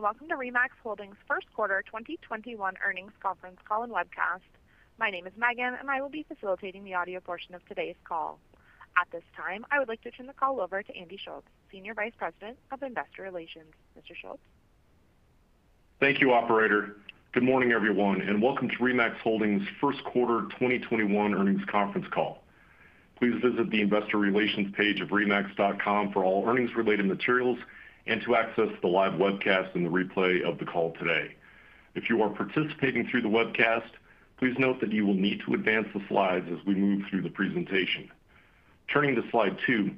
Welcome to RE/MAX Holdings' First Quarter 2021 Earnings Conference Call and Webcast. My name is Megan, I will be facilitating the audio portion of today's call. At this time, I would like to turn the call over to Andy Schulz, Senior Vice President of Investor Relations. Mr. Schulz? Thank you, operator. Good morning, everyone, and welcome to RE/MAX Holdings' First Quarter 2021 Earnings Conference Call. Please visit the investor relations page of remax.com for all earnings-related materials and to access the live webcast and the replay of the call today. If you are participating through the webcast, please note that you will need to advance the slides as we move through the presentation. Turning to slide two,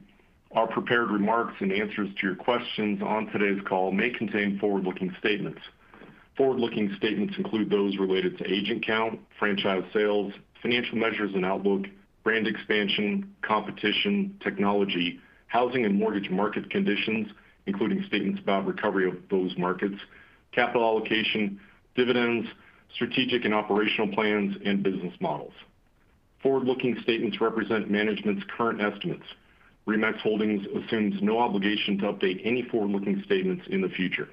our prepared remarks and answers to your questions on today's call may contain forward-looking statements. Forward-looking statements include those related to agent count, franchise sales, financial measures and outlook, brand expansion, competition, technology, housing and mortgage market conditions, including statements about recovery of those markets, capital allocation, dividends, strategic and operational plans, and business models. Forward-looking statements represent management's current estimates. RE/MAX Holdings assumes no obligation to update any forward-looking statements in the future.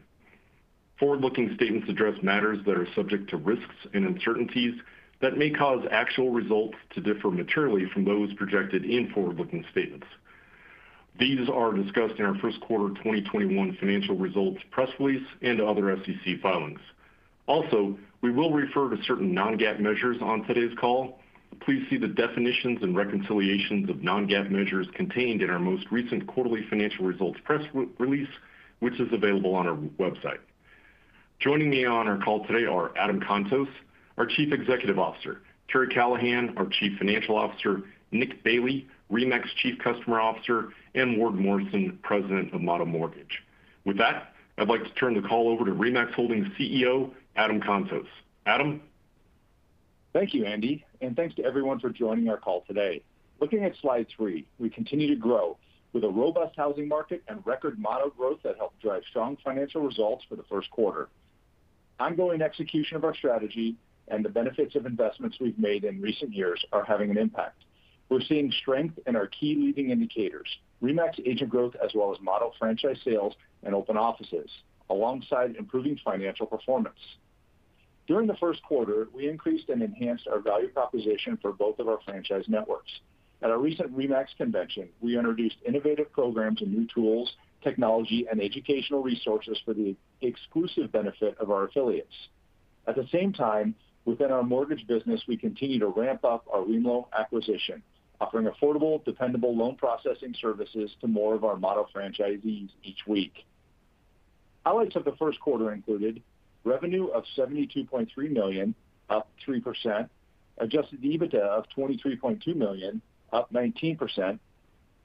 Forward-looking statements address matters that are subject to risks and uncertainties that may cause actual results to differ materially from those projected in forward-looking statements. These are discussed in our first quarter 2021 financial results press release and other SEC filings. Also, we will refer to certain non-GAAP measures on today's call. Please see the definitions and reconciliations of non-GAAP measures contained in our most recent quarterly financial results press release, which is available on our website. Joining me on our call today are Adam Contos, our Chief Executive Officer; Karri Callahan, our Chief Financial Officer; Nick Bailey, RE/MAX Chief Customer Officer; and Ward Morrison, President of Motto Mortgage. With that, I'd like to turn the call over to RE/MAX Holdings CEO, Adam Contos. Adam? Thank you, Andy, thanks to everyone for joining our call today. Looking at slide three, we continue to grow with a robust housing market and record Motto growth that helped drive strong financial results for the first quarter. Ongoing execution of our strategy and the benefits of investments we've made in recent years are having an impact. We're seeing strength in our key leading indicators, RE/MAX agent growth, as well as Motto franchise sales and open offices, alongside improving financial performance. During the first quarter, we increased and enhanced our value proposition for both of our franchise networks. At our recent RE/MAX convention, we introduced innovative programs and new tools, technology, and educational resources for the exclusive benefit of our affiliates. At the same time, within our mortgage business, we continue to ramp up our wemlo acquisition, offering affordable, dependable loan processing services to more of our Motto franchisees each week. Highlights of the first quarter included revenue of $72.3 million, up 3%, adjusted EBITDA of $23.2 million, up 19%,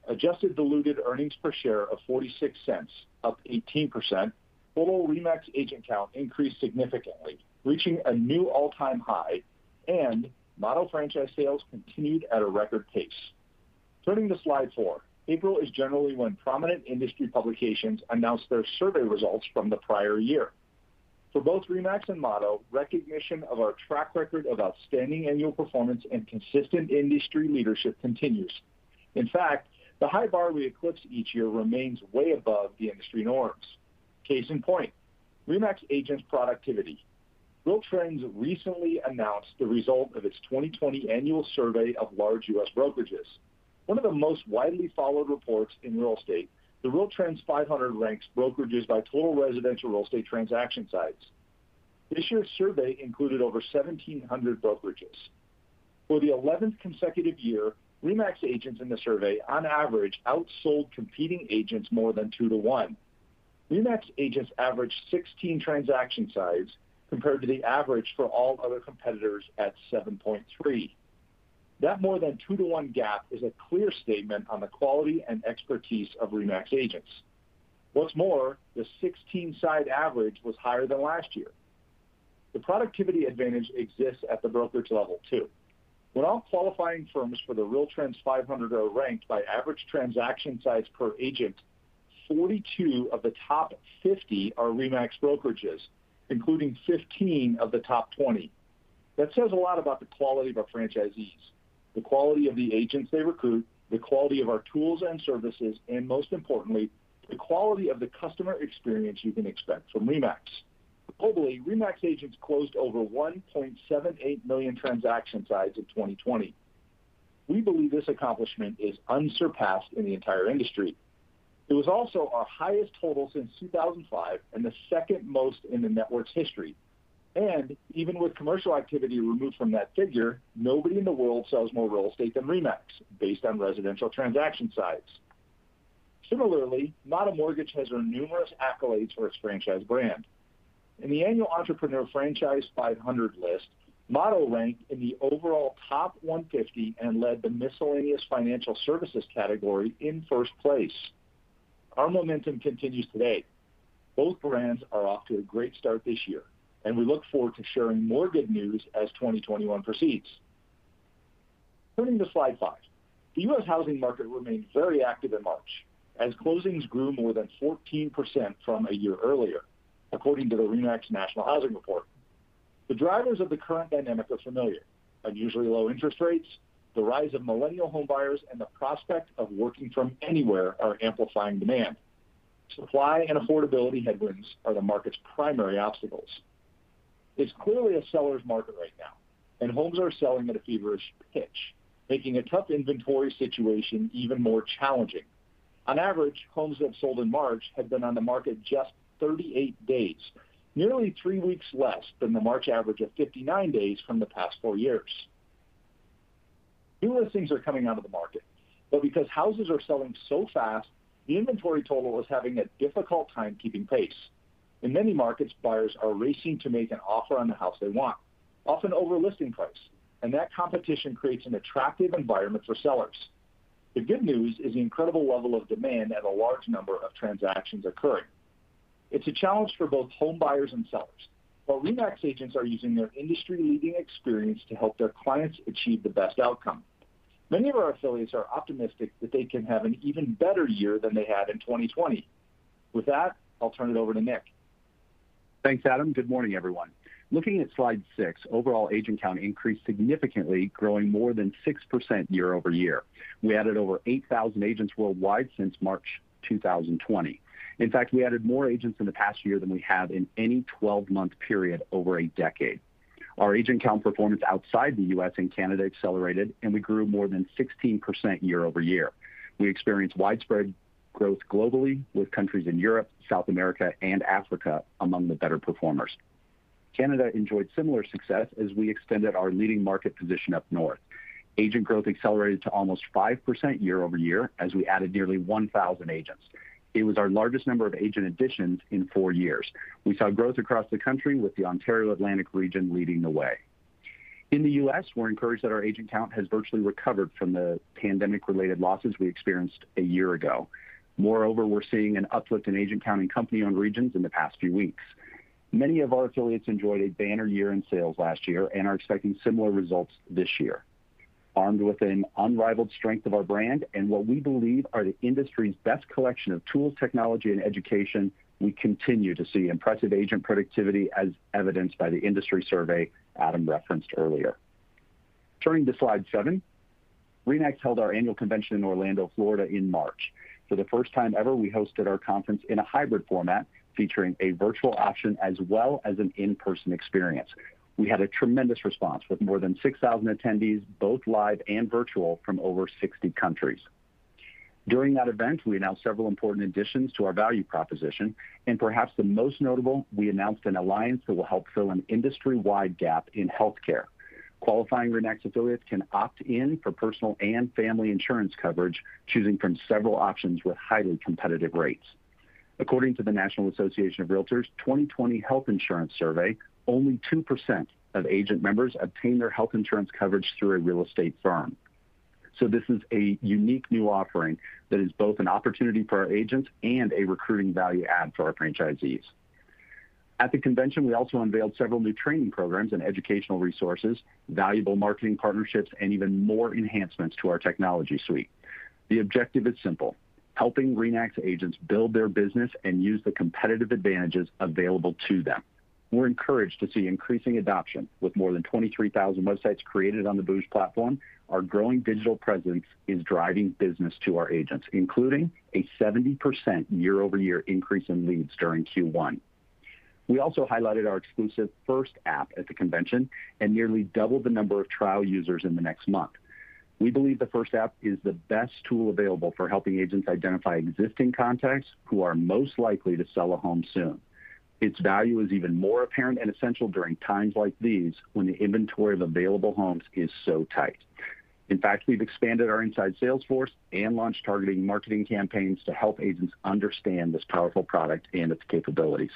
adjusted diluted earnings per share of $0.46, up 18%, total RE/MAX agent count increased significantly, reaching a new all-time high, Motto franchise sales continued at a record pace. Turning to slide four. April is generally when prominent industry publications announce their survey results from the prior year. For both RE/MAX and Motto, recognition of our track record of outstanding annual performance and consistent industry leadership continues. In fact, the high bar we eclipse each year remains way above the industry norms. Case in point, RE/MAX agents' productivity. RealTrends recently announced the result of its 2020 annual survey of large U.S. brokerages. One of the most widely followed reports in real estate, the RealTrends 500 ranks brokerages by total residential real estate transaction sides. This year's survey included over 1,700 brokerages. For the 11th consecutive year, RE/MAX agents in the survey, on average, outsold competing agents more than 2-1. RE/MAX agents averaged 16 transaction sides compared to the average for all other competitors at 7.3. That more than 2-1 gap is a clear statement on the quality and expertise of RE/MAX agents. What's more, the 16-side average was higher than last year. The productivity advantage exists at the brokerage level, too. When all qualifying firms for the RealTrends 500 are ranked by average transaction sides per agent, 42 of the top 50 are RE/MAX brokerages, including 15 of the top 20. That says a lot about the quality of our franchisees, the quality of the agents they recruit, the quality of our tools and services, and most importantly, the quality of the customer experience you can expect from RE/MAX. Globally, RE/MAX agents closed over 1.78 million transaction sides in 2020. We believe this accomplishment is unsurpassed in the entire industry. It was also our highest total since 2005 and the second most in the network's history. Even with commercial activity removed from that figure, nobody in the world sells more real estate than RE/MAX based on residential transaction sides. Similarly, Motto Mortgage has earned numerous accolades for its franchise brand. In the annual Entrepreneur Franchise 500 list, Motto ranked in the overall top 150 and led the miscellaneous financial services category in first place. Our momentum continues today. Both brands are off to a great start this year. We look forward to sharing more good news as 2021 proceeds. Turning to slide five. The U.S. housing market remained very active in March as closings grew more than 14% from a year earlier, according to the RE/MAX National Housing Report. The drivers of the current dynamic are familiar. Unusually low interest rates, the rise of millennial home buyers, and the prospect of working from anywhere are amplifying demand. Supply and affordability headwinds are the market's primary obstacles. It's clearly a seller's market right now, and homes are selling at a feverish pitch, making a tough inventory situation even more challenging. On average, homes that sold in March had been on the market just 38 days, nearly three weeks less than the March average of 59 days from the past four years. New listings are coming onto the market, but because houses are selling so fast, the inventory total is having a difficult time keeping pace. In many markets, buyers are racing to make an offer on the house they want, often over listing price, and that competition creates an attractive environment for sellers. The good news is the incredible level of demand and the large number of transactions occurring. It's a challenge for both home buyers and sellers, but RE/MAX agents are using their industry-leading experience to help their clients achieve the best outcome. Many of our affiliates are optimistic that they can have an even better year than they had in 2020. With that, I'll turn it over to Nick. Thanks, Adam. Good morning, everyone. Looking at slide six, overall agent count increased significantly, growing more than 6% year-over-year. We added over 8,000 agents worldwide since March 2020. In fact, we added more agents in the past year than we have in any 12-month period over a decade. Our agent count performance outside the U.S. and Canada accelerated. We grew more than 16% year-over-year. We experienced widespread growth globally with countries in Europe, South America, and Africa among the better performers. Canada enjoyed similar success as we extended our leading market position up north. Agent growth accelerated to almost 5% year-over-year as we added nearly 1,000 agents. It was our largest number of agent additions in four years. We saw growth across the country with the Ontario Atlantic region leading the way. In the U.S., we're encouraged that our agent count has virtually recovered from the pandemic-related losses we experienced a year ago. We're seeing an uplift in agent count in company-owned regions in the past few weeks. Many of our affiliates enjoyed a banner year in sales last year and are expecting similar results this year. Armed with an unrivaled strength of our brand and what we believe are the industry's best collection of tools, technology, and education, we continue to see impressive agent productivity as evidenced by the industry survey Adam referenced earlier. Turning to slide seven, RE/MAX held our annual convention in Orlando, Florida in March. The first time ever, we hosted our conference in a hybrid format, featuring a virtual option as well as an in-person experience. We had a tremendous response with more than 6,000 attendees, both live and virtual, from over 60 countries. During that event, we announced several important additions to our value proposition, and perhaps the most notable, we announced an alliance that will help fill an industry-wide gap in healthcare. Qualifying RE/MAX affiliates can opt in for personal and family insurance coverage, choosing from several options with highly competitive rates. According to the National Association of Realtors 2020 Health Insurance Survey, only 2% of agent members obtain their health insurance coverage through a real estate firm. This is a unique new offering that is both an opportunity for our agents and a recruiting value add for our franchisees. At the convention, we also unveiled several new training programs and educational resources, valuable marketing partnerships, and even more enhancements to our technology suite. The objective is simple: helping RE/MAX agents build their business and use the competitive advantages available to them. We're encouraged to see increasing adoption. With more than 23,000 websites created on the booj platform, our growing digital presence is driving business to our agents, including a 70% year-over-year increase in leads during Q1. We also highlighted our exclusive First app at the convention and nearly doubled the number of trial users in the next month. We believe the First app is the best tool available for helping agents identify existing contacts who are most likely to sell a home soon. Its value is even more apparent and essential during times like these when the inventory of available homes is so tight. In fact, we've expanded our inside sales force and launched targeting marketing campaigns to help agents understand this powerful product and its capabilities.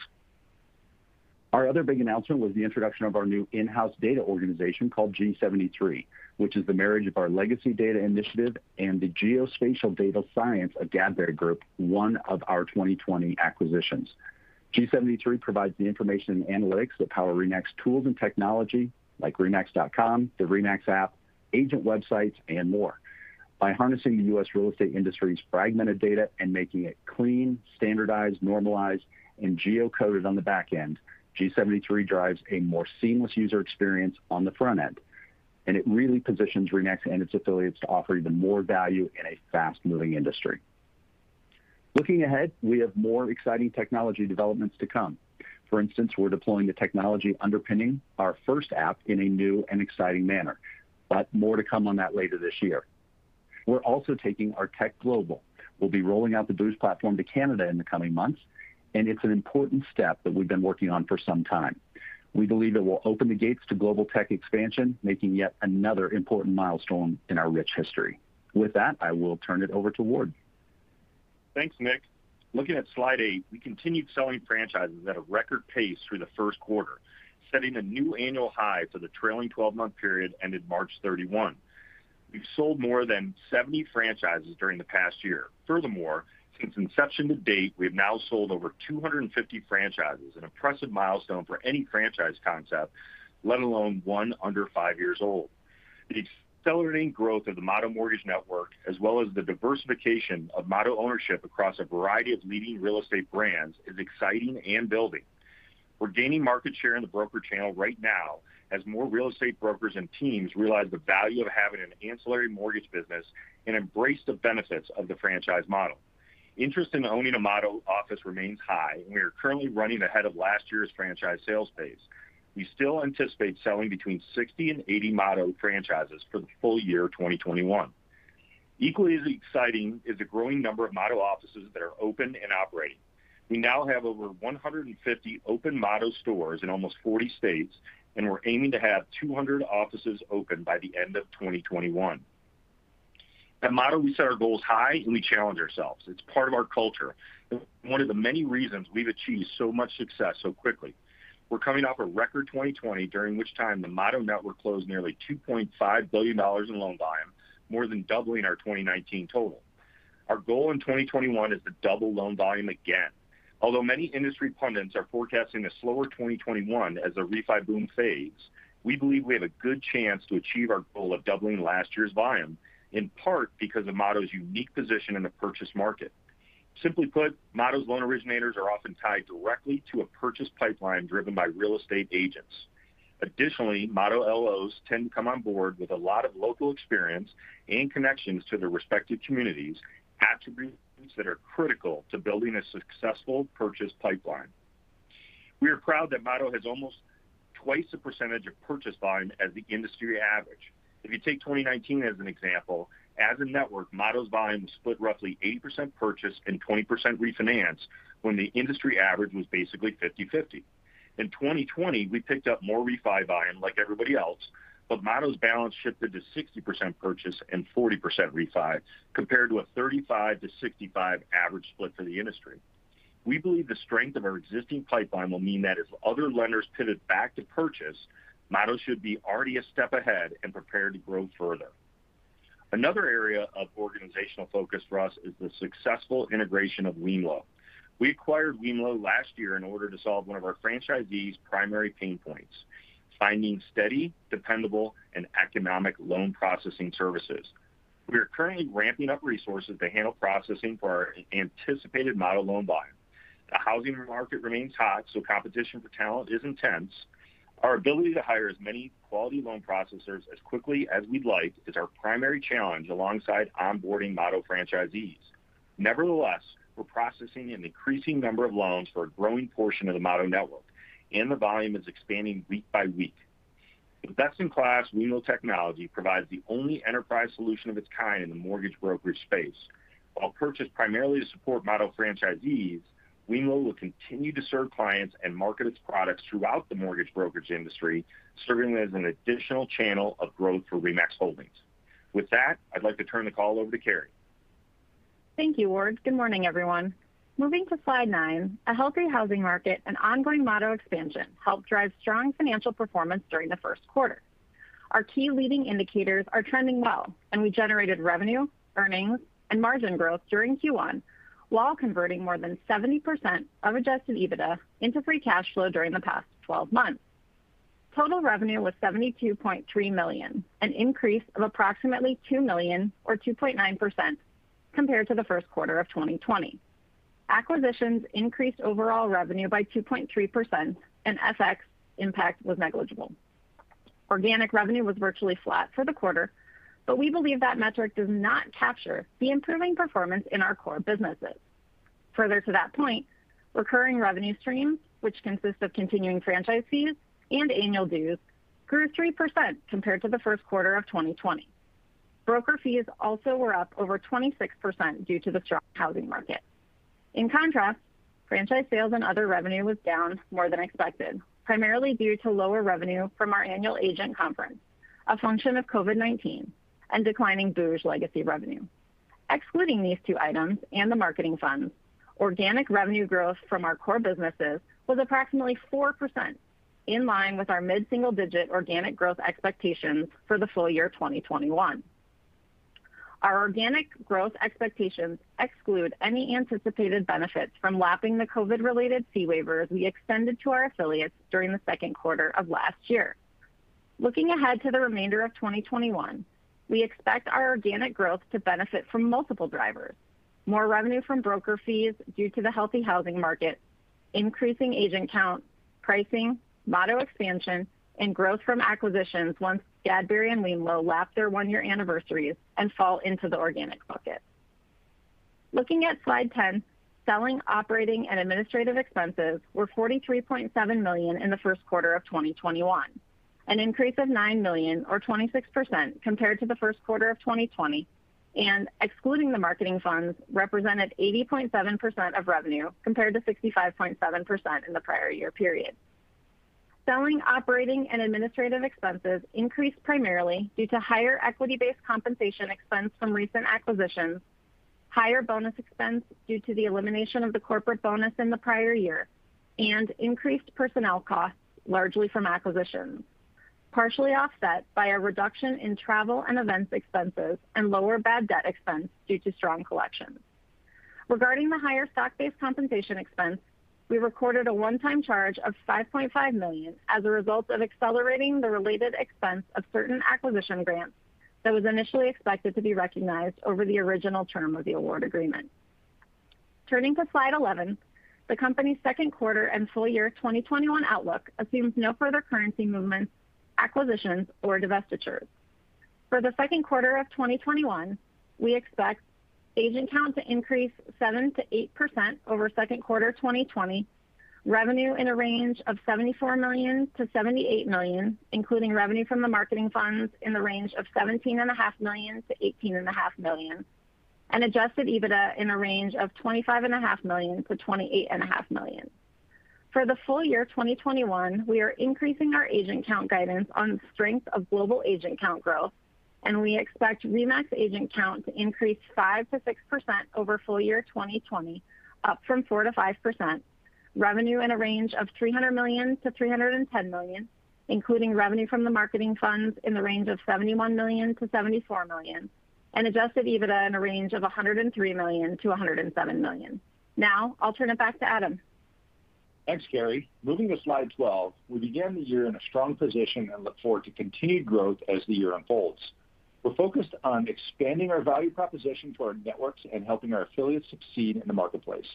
Our other big announcement was the introduction of our new in-house data organization called G73, which is the marriage of our legacy data initiative and the geospatial data science of Gadberry Group, one of our 2020 acquisitions. G73 provides the information and analytics that power RE/MAX tools and technology like remax.com, the RE/MAX app, agent websites, and more. By harnessing the U.S. real estate industry's fragmented data and making it clean, standardized, normalized, and geocoded on the back end, G73 drives a more seamless user experience on the front end, and it really positions RE/MAX and its affiliates to offer even more value in a fast-moving industry. Looking ahead, we have more exciting technology developments to come. For instance, we're deploying the technology underpinning our First app in a new and exciting manner, but more to come on that later this year. We're also taking our tech global. We'll be rolling out the booj platform to Canada in the coming months, and it's an important step that we've been working on for some time. We believe it will open the gates to global tech expansion, making yet another important milestone in our rich history. With that, I will turn it over to Ward. Thanks, Nick. Looking at slide eight, we continued selling franchises at a record pace through the first quarter, setting a new annual high for the trailing 12-month period ended March 31. We've sold more than 70 franchises during the past year. Furthermore, since inception to date, we have now sold over 250 franchises, an impressive milestone for any franchise concept, let alone one under five years old. The accelerating growth of the Motto Mortgage network, as well as the diversification of Motto ownership across a variety of leading real estate brands, is exciting and building. We're gaining market share in the broker channel right now as more real estate brokers and teams realize the value of having an ancillary mortgage business and embrace the benefits of the franchise model. Interest in owning a Motto office remains high, and we are currently running ahead of last year's franchise sales pace. We still anticipate selling between 60 and 80 Motto franchises for the full year 2021. Equally as exciting is the growing number of Motto offices that are open and operating. We now have over 150 open Motto stores in almost 40 states, and we're aiming to have 200 offices open by the end of 2021. At Motto, we set our goals high, and we challenge ourselves. It's part of our culture, and one of the many reasons we've achieved so much success so quickly. We're coming off a record 2020, during which time the Motto network closed nearly $2.5 billion in loan volume, more than doubling our 2019 total. Our goal in 2021 is to double loan volume again. Although many industry pundits are forecasting a slower 2021 as the refi boom fades, we believe we have a good chance to achieve our goal of doubling last year's volume, in part because of Motto's unique position in the purchase market. Simply put, Motto's loan originators are often tied directly to a purchase pipeline driven by real estate agents. Additionally, Motto LOs tend to come on board with a lot of local experience and connections to their respective communities, attributes that are critical to building a successful purchase pipeline. We are proud that Motto has almost twice the percentage of purchase volume as the industry average. If you take 2019 as an example, as a network, Motto's volume was split roughly 80% purchase and 20% refinance when the industry average was basically 50/50. In 2020, we picked up more refi volume like everybody else, but Motto's balance shifted to 60% purchase and 40% refi, compared to a 35%-65% average split for the industry. We believe the strength of our existing pipeline will mean that as other lenders pivot back to purchase, Motto should be already a step ahead and prepared to grow further. Another area of organizational focus for us is the successful integration of wemlo. We acquired wemlo last year in order to solve one of our franchisees' primary pain points, finding steady, dependable, and economic loan processing services. We are currently ramping up resources to handle processing for our anticipated Motto loan volume. The housing market remains hot, so competition for talent is intense. Our ability to hire as many quality loan processors as quickly as we'd like is our primary challenge alongside onboarding Motto franchisees. Nevertheless, we're processing an increasing number of loans for a growing portion of the Motto network, and the volume is expanding week by week. The best-in-class wemlo technology provides the only enterprise solution of its kind in the mortgage brokerage space. While purchased primarily to support Motto franchisees, wemlo will continue to serve clients and market its products throughout the mortgage brokerage industry, serving as an additional channel of growth for RE/MAX Holdings. With that, I'd like to turn the call over to Karri Callahan. Thank you, Ward. Good morning, everyone. Moving to slide nine, a healthy housing market and ongoing Motto expansion helped drive strong financial performance during the first quarter. Our key leading indicators are trending well. We generated revenue, earnings, and margin growth during Q1, while converting more than 70% of adjusted EBITDA into free cash flow during the past 12 months. Total revenue was $72.3 million, an increase of approximately $2 million or 2.9% compared to the first quarter of 2020. Acquisitions increased overall revenue by 2.3%. FX impact was negligible. Organic revenue was virtually flat for the quarter. We believe that metric does not capture the improving performance in our core businesses. Further to that point, recurring revenue streams, which consist of continuing franchise fees and annual dues, grew 3% compared to the first quarter of 2020. Broker fees also were up over 26% due to the strong housing market. In contrast, franchise sales and other revenue was down more than expected, primarily due to lower revenue from our annual agent conference, a function of COVID-19 and declining booj legacy revenue. Excluding these two items and the marketing funds, organic revenue growth from our core businesses was approximately 4%, in line with our mid-single-digit organic growth expectations for the full year 2021. Our organic growth expectations exclude any anticipated benefits from lapping the COVID-related fee waivers we extended to our affiliates during the second quarter of last year. Looking ahead to the remainder of 2021, we expect our organic growth to benefit from multiple drivers, more revenue from broker fees due to the healthy housing market, increasing agent count, pricing, Motto expansion, and growth from acquisitions once Gadberry and wemlo lap their one-year anniversaries and fall into the organic bucket. Looking at slide 10, selling, operating, and administrative expenses were $43.7 million in the first quarter of 2021, an increase of $9 million or 26% compared to the first quarter of 2020, and excluding the marketing funds represented 80.7% of revenue compared to 65.7% in the prior year period. Selling, operating, and administrative expenses increased primarily due to higher equity-based compensation expense from recent acquisitions, higher bonus expense due to the elimination of the corporate bonus in the prior year, and increased personnel costs largely from acquisitions, partially offset by a reduction in travel and events expenses and lower bad debt expense due to strong collections. Regarding the higher stock-based compensation expense, we recorded a one-time charge of $5.5 million as a result of accelerating the related expense of certain acquisition grants that was initially expected to be recognized over the original term of the award agreement. Turning to slide 11, the company's second quarter and full year 2021 outlook assumes no further currency movements, acquisitions, or divestitures. For the second quarter of 2021, we expect agent count to increase 7%-8% over second quarter 2020, revenue in a range of $74 million-$78 million, including revenue from the marketing funds in the range of $17.5 million-$18.5 million, and adjusted EBITDA in a range of $25.5 million-$28.5 million. For the full year 2021, we are increasing our agent count guidance on the strength of global agent count growth, and we expect RE/MAX agent count to increase 5%-6% over full year 2020, up from 4%-5%, revenue in a range of $300 million-$310 million, including revenue from the marketing funds in the range of $71 million-$74 million, and adjusted EBITDA in a range of $103 million-$107 million. Now, I'll turn it back to Adam. Thanks, Karri. Moving to slide 12, we began the year in a strong position and look forward to continued growth as the year unfolds. We're focused on expanding our value proposition to our networks and helping our affiliates succeed in the marketplace.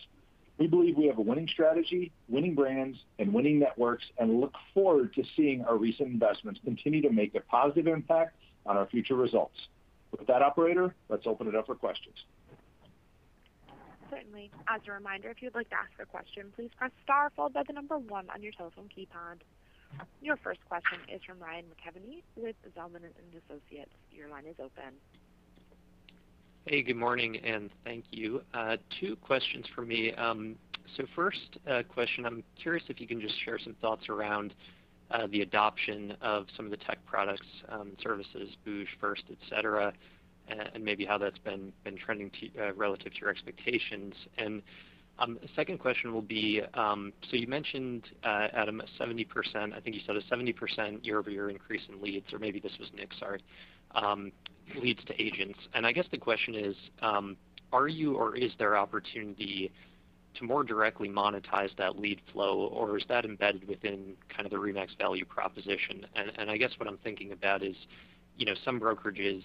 We believe we have a winning strategy, winning brands, and winning networks, and look forward to seeing our recent investments continue to make a positive impact on our future results. With that operator, let's open it up for questions. Certainly. As a reminder, if you'd like to ask a question, please press star followed by the number one on your telephone keypad. Your first question is from Ryan McKeveny with Zelman & Associates. Your line is open. Hey, good morning, and thank you. Two questions from me. First question, I'm curious if you can just share some thoughts around the adoption of some of the tech products, services, booj, First, et cetera, and maybe how that's been trending relative to your expectations. The second question will be, you mentioned, Adam, 70%, I think you said a 70% year-over-year increase in leads. Or maybe this was Nick, sorry, leads to agents. I guess the question is, are you or is there opportunity to more directly monetize that lead flow, or is that embedded within kind of the RE/MAX value proposition? I guess what I'm thinking about is some brokerages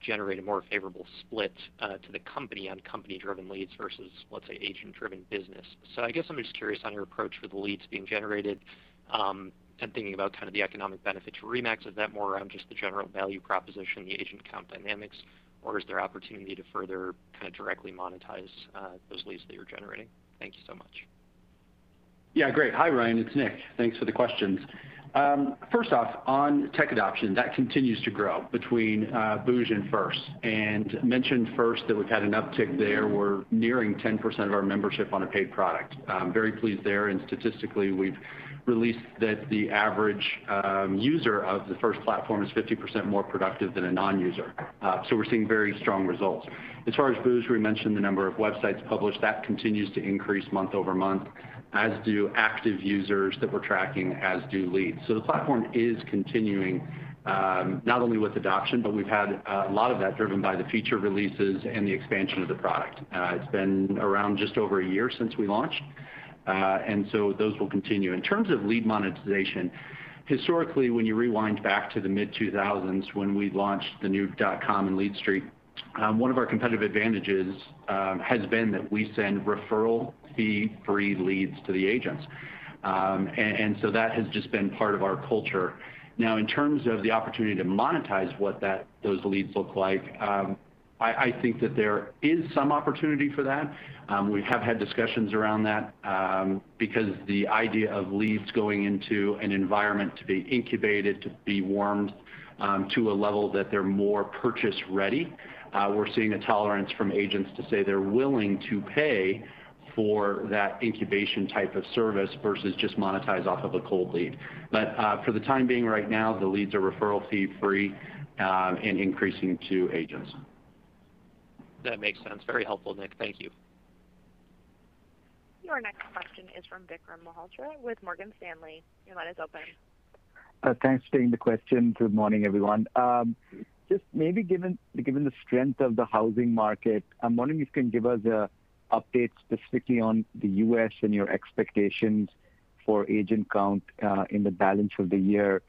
generate a more favorable split to the company on company-driven leads versus, let's say, agent-driven business. I'm just curious on your approach with the leads being generated, and thinking about the economic benefit to RE/MAX. Is that more around just the general value proposition, the agent count dynamics, or is there opportunity to further directly monetize those leads that you're generating? Thank you so much. Yeah, great. Hi, Ryan. It's Nick. Thanks for the questions. First off, on tech adoption, that continues to grow between booj and First. Mentioned First, that we've had an uptick there. We're nearing 10% of our membership on a paid product. I'm very pleased there, and statistically we've released that the average user of the First platform is 50% more productive than a non-user. We're seeing very strong results. As far as booj, we mentioned the number of websites published. That continues to increase month-over-month, as do active users that we're tracking, as do leads. The platform is continuing, not only with adoption, but we've had a lot of that driven by the feature releases and the expansion of the product. It's been around just over one year since we launched. Those will continue. In terms of lead monetization, historically, when you rewind back to the mid-2000s when we launched the new .com and LeadStreet, one of our competitive advantages has been that we send referral-fee free leads to the agents. That has just been part of our culture. Now, in terms of the opportunity to monetize what those leads look like, I think that there is some opportunity for that. We have had discussions around that, because the idea of leads going into an environment to be incubated, to be warmed to a level that they're more purchase ready, we're seeing a tolerance from agents to say they're willing to pay for that incubation type of service versus just monetize off of a cold lead. For the time being right now, the leads are referral-fee free, and increasing to agents. That makes sense. Very helpful, Nick. Thank you. Your next question is from Vikram Malhotra with Morgan Stanley. Your line is open. Thanks for taking the question. Good morning, everyone. Just maybe given the strength of the housing market, I'm wondering if you can give us an update specifically on the U.S. and your expectations for agent count in the balance of the year.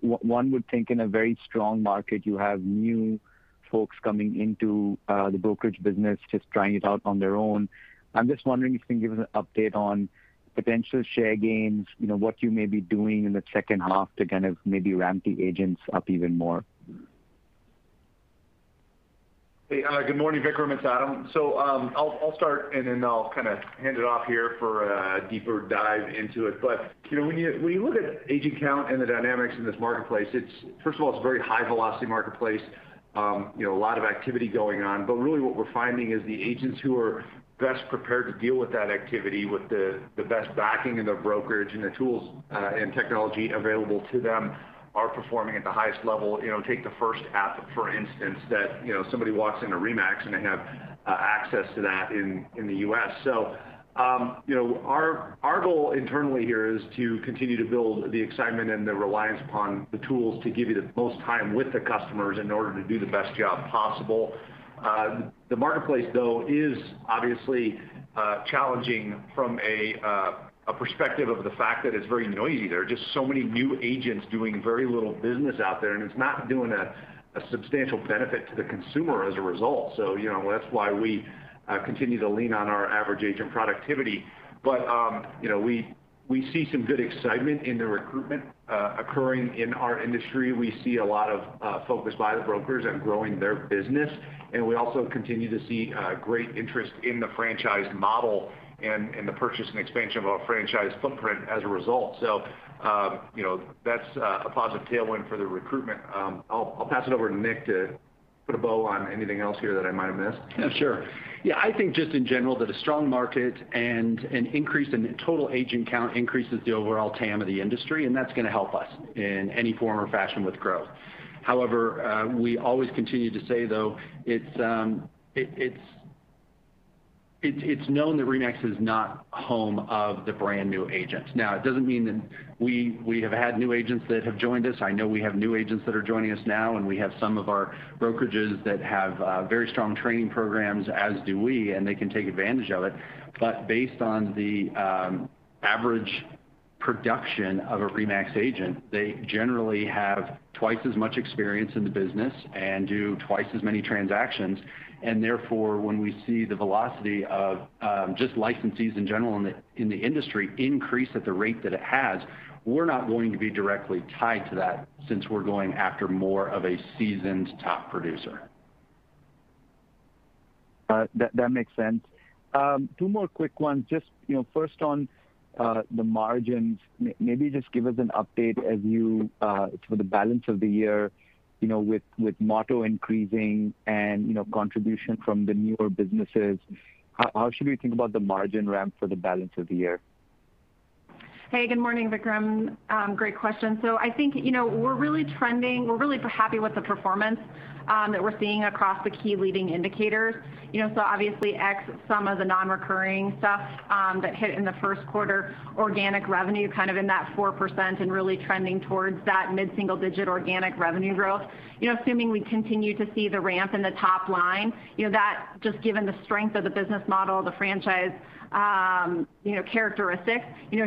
One would think in a very strong market, you have new folks coming into the brokerage business, just trying it out on their own. I'm just wondering if you can give us an update on potential share gains, what you may be doing in the second half to kind of maybe ramp the agents up even more. Hey, good morning, Vikram. It's Adam. I'll start and then I'll kind of hand it off here for a deeper dive into it. When you look at agent count and the dynamics in this marketplace, first of all, it's a very high velocity marketplace. A lot of activity going on, but really what we're finding is the agents who are best prepared to deal with that activity with the best backing in their brokerage and the tools and technology available to them are performing at the highest level. Take the first half, for instance, that somebody walks into RE/MAX and they have access to that in the U.S. Our goal internally here is to continue to build the excitement and the reliance upon the tools to give you the most time with the customers in order to do the best job possible. The marketplace, though, is obviously challenging from a perspective of the fact that it's very noisy. There are just so many new agents doing very little business out there, and it's not doing a substantial benefit to the consumer as a result. That's why we continue to lean on our average agent productivity. We see some good excitement in the recruitment occurring in our industry. We see a lot of focus by the brokers on growing their business, and we also continue to see great interest in the franchise model and in the purchase and expansion of our franchise footprint as a result. That's a positive tailwind for the recruitment. I'll pass it over to Nick to put a bow on anything else here that I might have missed. Yeah, sure. I think just in general that a strong market and an increase in total agent count increases the overall TAM of the industry, and that's going to help us in any form or fashion with growth. We always continue to say, though, it's known that RE/MAX is not home of the brand-new agent. It doesn't mean that we have had new agents that have joined us. I know we have new agents that are joining us now, and we have some of our brokerages that have very strong training programs, as do we, and they can take advantage of it. Based on the average production of a RE/MAX agent, they generally have twice as much experience in the business and do twice as many transactions, and therefore, when we see the velocity of just licensees in general in the industry increase at the rate that it has, we're not going to be directly tied to that since we're going after more of a seasoned top producer. That makes sense. Two more quick ones. Just first on the margins, maybe just give us an update for the balance of the year with Motto increasing and contribution from the newer businesses. How should we think about the margin ramp for the balance of the year? Hey, good morning, Vikram. Great question. I think we're really happy with the performance that we're seeing across the key leading indicators. Obviously, ex some of the non-recurring stuff that hit in the first quarter, organic revenue kind of in that 4% and really trending towards that mid-single-digit organic revenue growth. Assuming we continue to see the ramp in the top line, that just given the strength of the business model, the franchise characteristics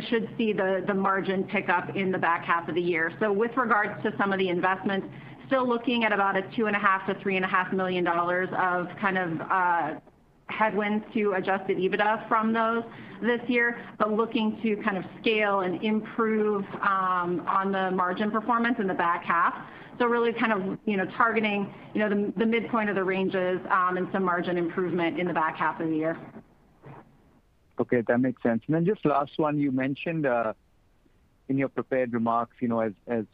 should see the margin pick up in the back half of the year. With regards to some of the investments, still looking at about a $2.5 million-$3.5 million of kind of headwinds to adjusted EBITDA from those this year, but looking to kind of scale and improve on the margin performance in the back half. Really kind of targeting the midpoint of the ranges and some margin improvement in the back half of the year. Okay, that makes sense. Just last one, you mentioned in your prepared remarks as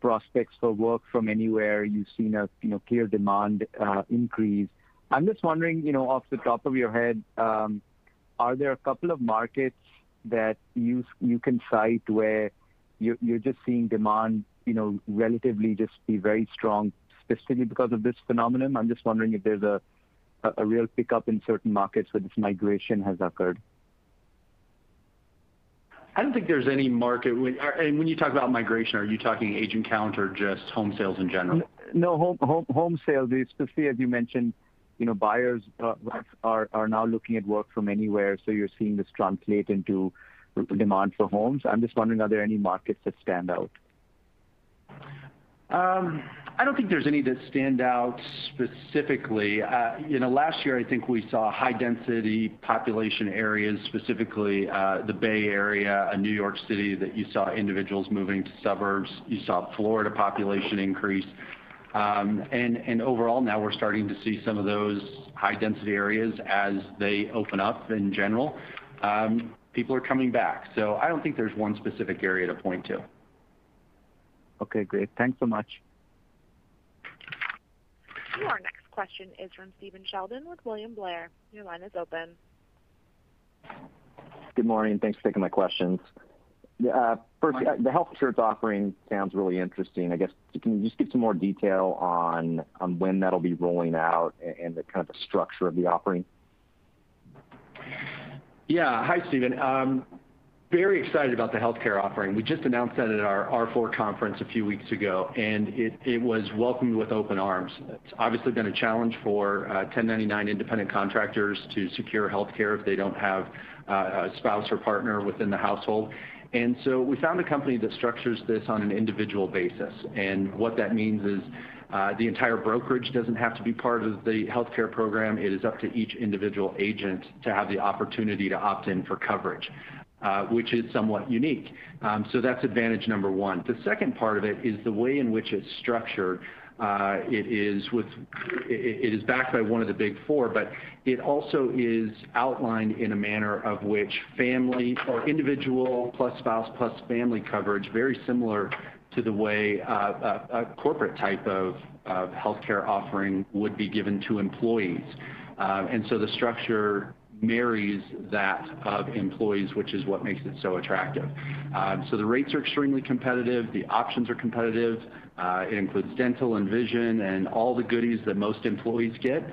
prospects for work from anywhere, you've seen a clear demand increase. I'm just wondering off the top of your head, are there a couple of markets that you can cite where you're just seeing demand relatively just be very strong specifically because of this phenomenon? I'm just wondering if there's a real pickup in certain markets where this migration has occurred. I don't think there's any market. When you talk about migration, are you talking agent count or just home sales in general? Home sales specifically. As you mentioned, buyers are now looking at work from anywhere. You're seeing this translate into demand for homes. I'm just wondering, are there any markets that stand out? I don't think there's any that stand out specifically. Last year, I think we saw high-density population areas, specifically the Bay Area and New York City, that you saw individuals moving to suburbs. You saw Florida population increase. Overall, now we're starting to see some of those high-density areas as they open up in general. People are coming back. I don't think there's one specific area to point to. Okay, great. Thanks so much. Your next question is from Stephen Sheldon with William Blair. Your line is open. Good morning. Thanks for taking my questions. Morning. First, the health insurance offering sounds really interesting. I guess, can you just give some more detail on when that'll be rolling out and the kind of the structure of the offering? Hi, Stephen. Very excited about the healthcare offering. We just announced that at our R4 conference a few weeks ago, and it was welcomed with open arms. It's obviously been a challenge for 1099 independent contractors to secure healthcare if they don't have a spouse or partner within the household. We found a company that structures this on an individual basis, and what that means is, the entire brokerage doesn't have to be part of the healthcare program. It is up to each individual agent to have the opportunity to opt in for coverage, which is somewhat unique. That's advantage number one. The second part of it is the way in which it's structured. It is backed by one of the Big 4, but it also is outlined in a manner of which family or individual plus spouse plus family coverage, very similar to the way a corporate type of healthcare offering would be given to employees. The structure marries that of employees, which is what makes it so attractive. The rates are extremely competitive. The options are competitive. It includes dental and vision and all the goodies that most employees get.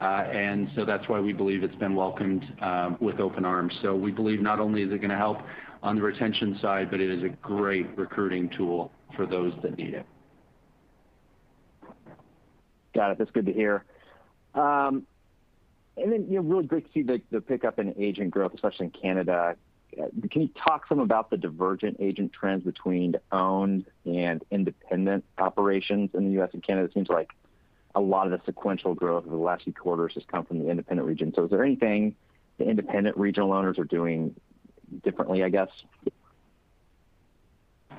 That's why we believe it's been welcomed with open arms. We believe not only is it going to help on the retention side, but it is a great recruiting tool for those that need it. Got it. That's good to hear. Yeah, really great to see the pickup in agent growth, especially in Canada. Can you talk some about the divergent agent trends between owned and independent operations in the U.S. and Canada? It seems like a lot of the sequential growth over the last few quarters has come from the independent region. Is there anything the independent regional owners are doing differently, I guess?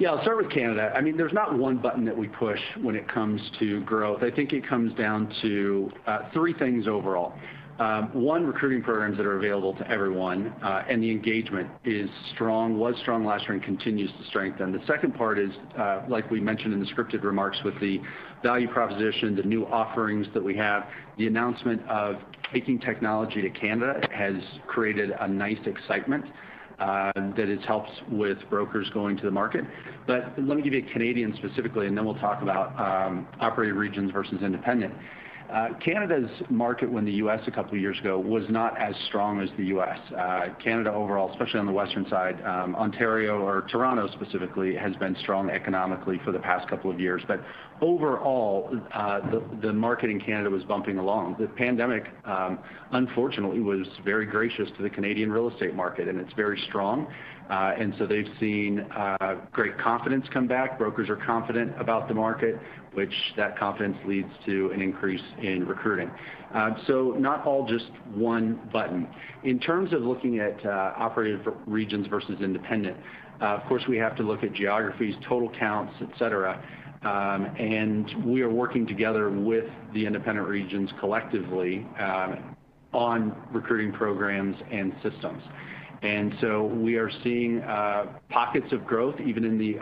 I'll start with Canada. There's not one button that we push when it comes to growth. I think it comes down to three things overall. One, recruiting programs that are available to everyone, and the engagement is strong, was strong last year, and continues to strengthen. The second part is, like we mentioned in the scripted remarks with the value proposition, the new offerings that we have, the announcement of taking technology to Canada has created a nice excitement that it helps with brokers going to the market. Let me give you Canadian specifically, and then we'll talk about operated regions versus independent. Canada's market when the U.S. a couple of years ago was not as strong as the U.S. Canada overall, especially on the western side, Ontario or Toronto specifically, has been strong economically for the past couple of years. Overall, the market in Canada was bumping along. The pandemic, unfortunately, was very gracious to the Canadian real estate market, and it's very strong. They've seen great confidence come back. Brokers are confident about the market, which that confidence leads to an increase in recruiting. Not all just one button. In terms of looking at operated regions versus independent, of course, we have to look at geographies, total counts, et cetera. We are working together with the independent regions collectively on recruiting programs and systems. We are seeing pockets of growth, even in the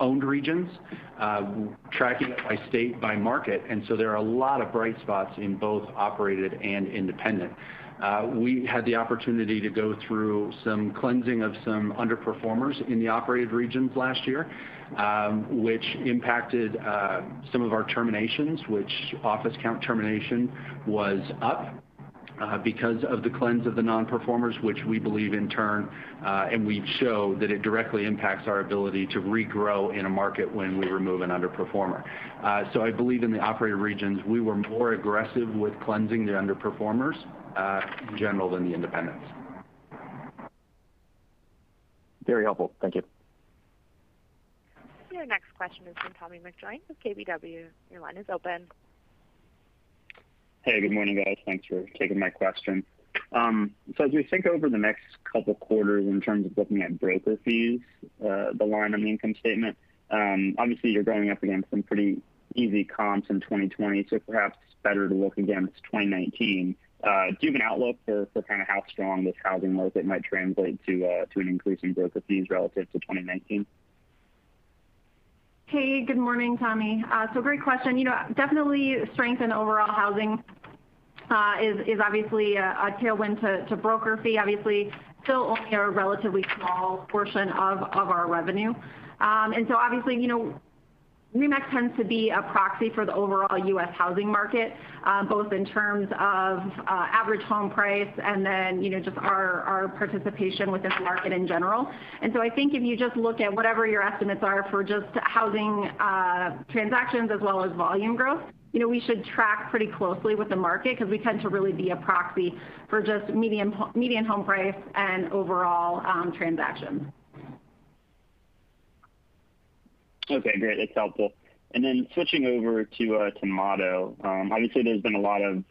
owned regions, tracking it by state, by market. There are a lot of bright spots in both operated and independent. We had the opportunity to go through some cleansing of some underperformers in the operated regions last year, which impacted some of our terminations, which office count termination was up because of the cleanse of the non-performers, which we believe in turn, and we show that it directly impacts our ability to regrow in a market when we remove an underperformer. I believe in the operated regions, we were more aggressive with cleansing the underperformers, in general, than the independents. Very helpful. Thank you. Your next question is from Tommy McJoynt with KBW. Your line is open. Hey, good morning, guys. Thanks for taking my question. As we think over the next couple of quarters in terms of looking at broker fees, the line on the income statement, obviously you're going up against some pretty easy comps in 2020, so perhaps it's better to look against 2019. Do you have an outlook for how strong this housing market might translate to an increase in broker fees relative to 2019? Hey, good morning, Tommy. Great question. Definitely strength in overall housing is obviously a tailwind to broker fee. Obviously, still only a relatively small portion of our revenue. Obviously, RE/MAX tends to be a proxy for the overall U.S. housing market, both in terms of average home price and then just our participation with this market in general. I think if you just look at whatever your estimates are for just housing transactions as well as volume growth, we should track pretty closely with the market because we tend to really be a proxy for just median home price and overall transactions. Okay, great. That's helpful. Switching over to Motto. Obviously, there's been a lot of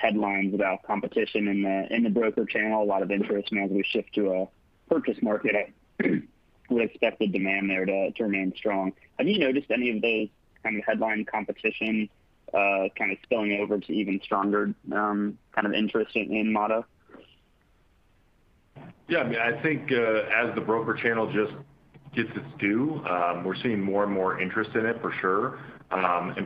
headlines about competition in the broker channel, a lot of interest. As we shift to a purchase market, we expect the demand there to remain strong. Have you noticed any of those headline competition spilling over to even stronger interest in Motto? I think as the broker channel just gets its due, we're seeing more and more interest in it for sure.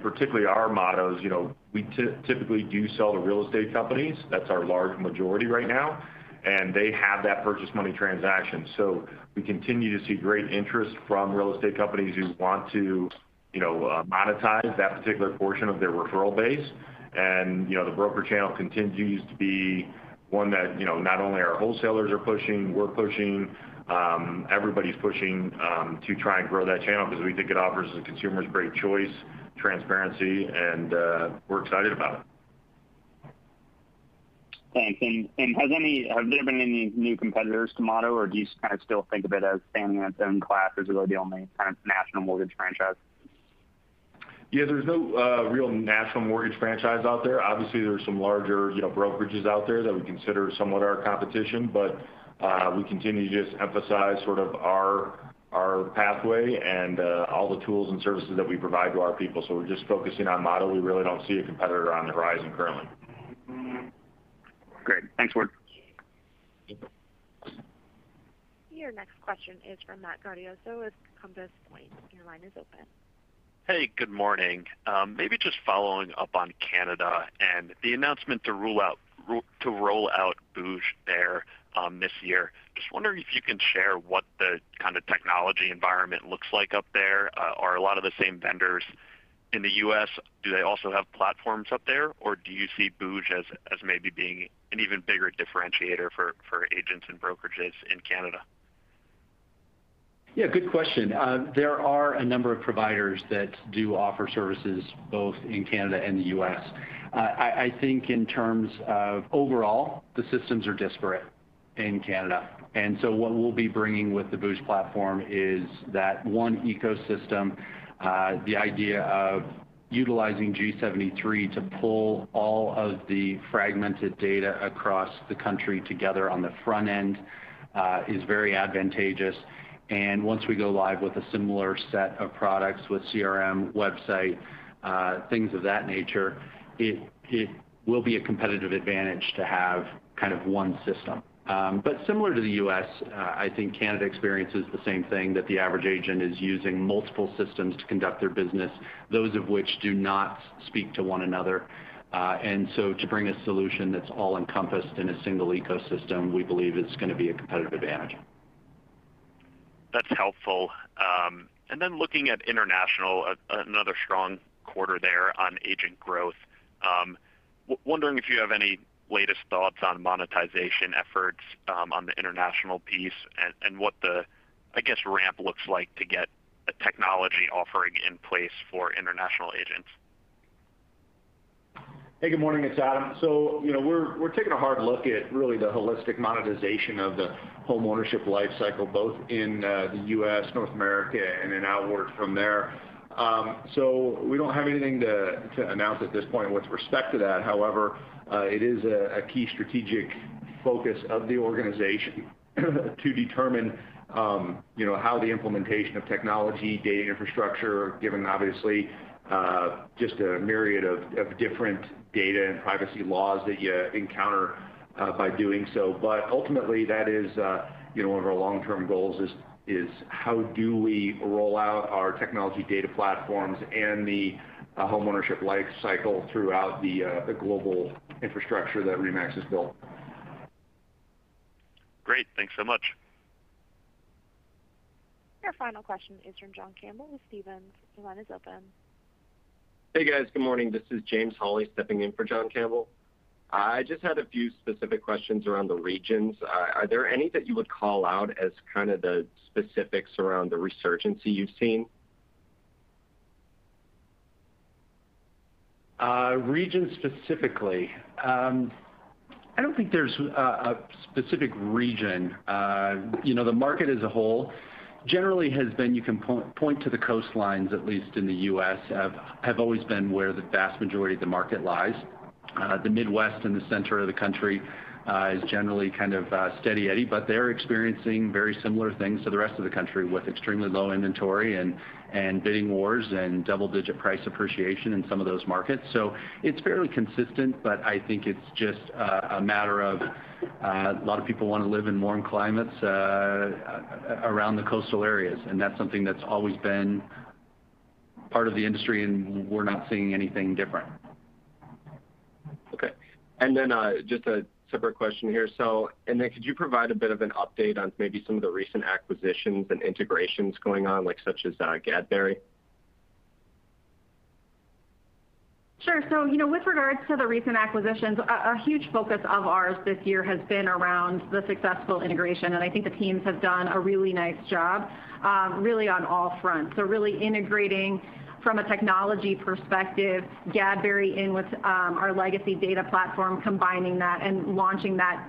Particularly our Motto is, we typically do sell to real estate companies. That's our large majority right now, and they have that purchase money transaction. We continue to see great interest from real estate companies who want to monetize that particular portion of their referral base. The broker channel continues to be one that not only our wholesalers are pushing, we're pushing, everybody's pushing to try and grow that channel because we think it offers the consumers great choice, transparency, and we're excited about it. Thanks. Have there been any new competitors to Motto, or do you still think of it as standing in its own class as really the only kind of national mortgage franchise? There's no real national mortgage franchise out there. Obviously, there's some larger brokerages out there that we consider somewhat our competition, but we continue to just emphasize sort of our pathway and all the tools and services that we provide to our people. We're just focusing on Motto. We really don't see a competitor on the horizon currently. Great. Thanks, Ward. Thank you. Your next question is from Matthew Gaudioso with Compass Point. Your line is open. Hey, good morning. Maybe just following up on Canada and the announcement to roll out booj there this year. Just wondering if you can share what the kind of technology environment looks like up there. Are a lot of the same vendors in the U.S., do they also have platforms up there, or do you see booj as maybe being an even bigger differentiator for agents and brokerages in Canada? Yeah, good question. There are a number of providers that do offer services both in Canada and the U.S. I think in terms of overall, the systems are disparate in Canada. What we'll be bringing with the booj platform is that one ecosystem, the idea of utilizing G73 to pull all of the fragmented data across the country together on the front end is very advantageous. Once we go live with a similar set of products with CRM, website, things of that nature, it will be a competitive advantage to have one system. Similar to the U.S., I think Canada experiences the same thing, that the average agent is using multiple systems to conduct their business, those of which do not speak to one another. To bring a solution that's all encompassed in a single ecosystem, we believe is going to be a competitive advantage. That's helpful. Looking at international, another strong quarter there on agent growth. Wondering if you have any latest thoughts on monetization efforts on the international piece and what the, I guess, ramp looks like to get a technology offering in place for international agents. Hey, good morning. It's Adam. We're taking a hard look at really the holistic monetization of the home ownership life cycle, both in the U.S., North America, and then outward from there. We don't have anything to announce at this point with respect to that. However, it is a key strategic focus of the organization to determine how the implementation of technology, data infrastructure, given obviously just a myriad of different data and privacy laws that you encounter by doing so. Ultimately that is one of our long-term goals is how do we roll out our technology data platforms and the home ownership life cycle throughout the global infrastructure that RE/MAX has built. Great. Thanks so much. Your final question is from John Campbell with Stephens. Your line is open. Hey, guys. Good morning. This is James Hawley stepping in for John Campbell. I just had a few specific questions around the regions. Are there any that you would call out as kind of the specifics around the resurgency you've seen? Regions specifically. I don't think there's a specific region. The market as a whole generally has been, you can point to the coastlines, at least in the U.S., have always been where the vast majority of the market lies. The Midwest and the center of the country is generally kind of steady eddy, but they're experiencing very similar things to the rest of the country with extremely low inventory and bidding wars and double-digit price appreciation in some of those markets. It's fairly consistent, but I think it's just a matter of a lot of people want to live in warm climates around the coastal areas, and that's something that's always been part of the industry, and we're not seeing anything different. Okay. Just a separate question here. Karri, could you provide a bit of an update on maybe some of the recent acquisitions and integrations going on, like such as Gadberry? Sure. With regards to the recent acquisitions, a huge focus of ours this year has been around the successful integration, and I think the teams have done a really nice job, really on all fronts. Really integrating from a technology perspective, Gadberry in with our legacy data platform, combining that and launching that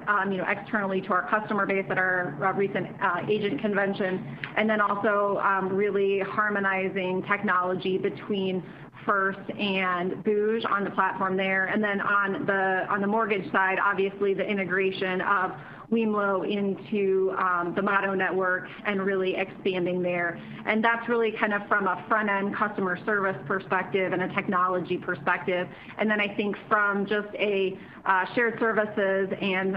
externally to our customer base at our recent agent convention. Also, really harmonizing technology between First and booj on the platform there. On the mortgage side, obviously the integration of wemlo into the Motto network and really expanding there. That's really kind of from a front-end customer service perspective and a technology perspective. I think from just a shared services and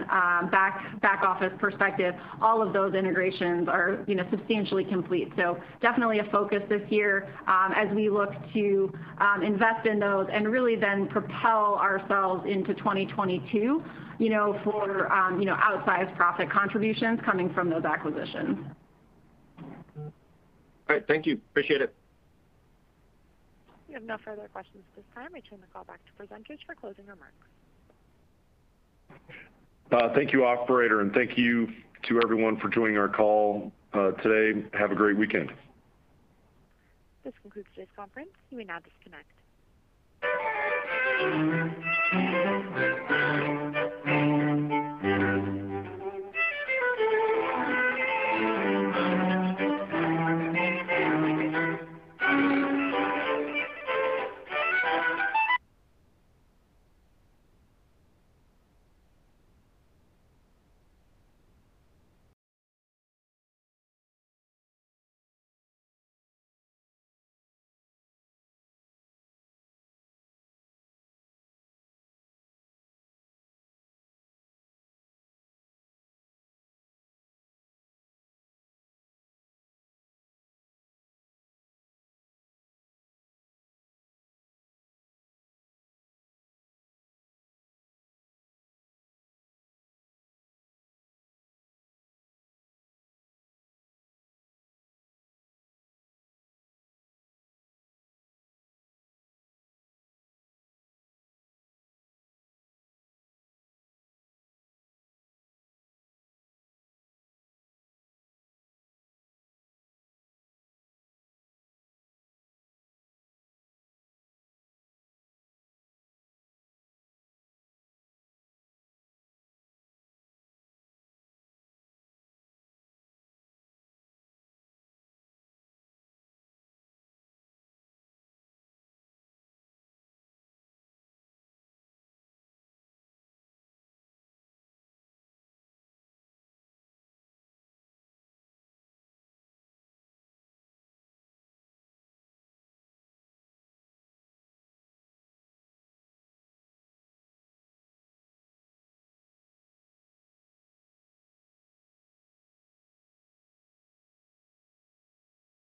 back-office perspective, all of those integrations are substantially complete. Definitely a focus this year as we look to invest in those and really then propel ourselves into 2022 for outsized profit contributions coming from those acquisitions. All right. Thank you. Appreciate it. We have no further questions at this time. I turn the call back to presenters for closing remarks. Thank you, operator, and thank you to everyone for joining our call today. Have a great weekend. This concludes today's conference. You may now disconnect.